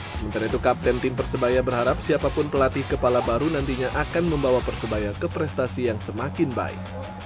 sementara itu kapten tim persebaya berharap siapapun pelatih kepala baru nantinya akan membawa persebaya ke prestasi yang semakin baik